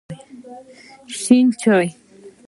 شنې چای